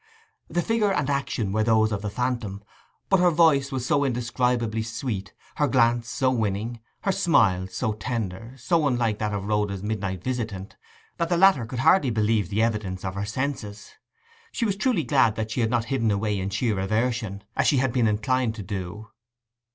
The figure and action were those of the phantom; but her voice was so indescribably sweet, her glance so winning, her smile so tender, so unlike that of Rhoda's midnight visitant, that the latter could hardly believe the evidence of her senses. She was truly glad that she had not hidden away in sheer aversion, as she had been inclined to do.